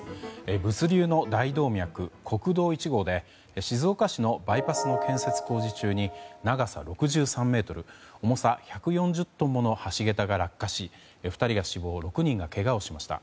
物流の大動脈、国道１号で静岡市のバイパスの建設工事中に長さ６３ｍ、重さ１４０トンもの橋桁が落下し２人が死亡６人がけがをしました。